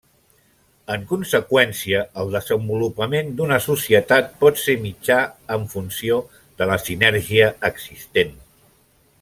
En conseqüència, el desenvolupament d'una societat pot ser mitjà en funció de la sinergia existent.